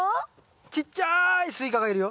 ちっちゃいスイカがいるよ。